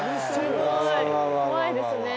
すごい怖いですね。